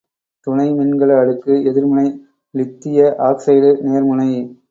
துணை மின்கல அடுக்கு எதிர்முனை இலித்திய ஆக்சைடு நேர்முனை.